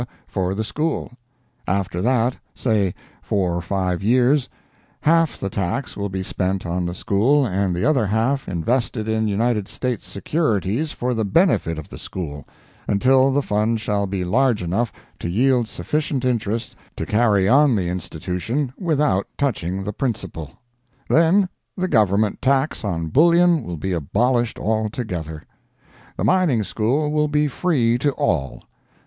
for the school; after that (say 4 or 5 years), half the tax will be spent on the school and the other half invested in United States securities for the benefit of the school, until the fund shall be large enough to yield sufficient interest to carry on the institution without touching the principal. Then, the Government tax on bullion will be abolished altogether. The mining school will be free to all.